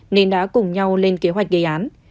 nên đã cùng nhau lên kế hoạch gây án